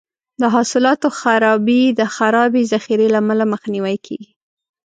د حاصلاتو خرابي د خرابې ذخیرې له امله مخنیوی کیږي.